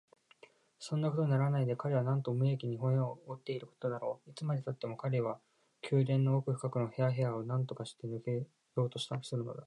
そんなことにはならないで、彼はなんと無益に骨を折っていることだろう。いつまでたっても彼は宮殿の奥深くの部屋部屋をなんとかしてかけ抜けようとするのだ。